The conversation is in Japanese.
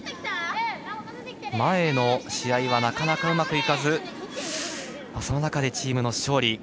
前の試合はなかなかうまくいかずその中でチームは勝利。